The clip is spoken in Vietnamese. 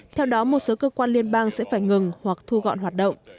theo đó một số cơ quan liên bang sẽ phải ngừng hoặc thu gọn hoạt động